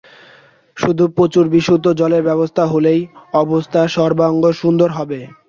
শুধু প্রচুর বিশুদ্ধ জলের ব্যবস্থা হলেই অবস্থা সর্বাঙ্গসুন্দর হবে।